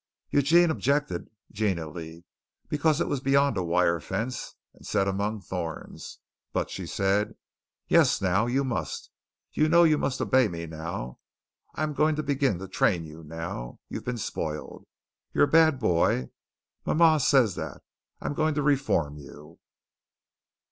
Eugene objected genially, because it was beyond a wire fence and set among thorns, but she said, "Yes, now, you must. You know you must obey me now. I am going to begin to train you now. You've been spoiled. You're a bad boy. Mama says that. I am going to reform you."